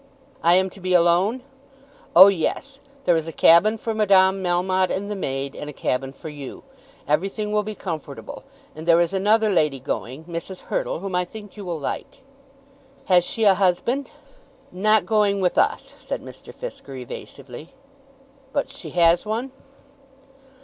"I am to be alone?" "Oh, yes. There is a cabin for Madame Melmotte and the maid, and a cabin for you. Everything will be comfortable. And there is another lady going, Mrs. Hurtle, whom I think you will like." "Has she a husband?" "Not going with us," said Mr. Fisker evasively. "But she has one?"